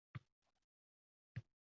Mashhur bo’ldi nogahon.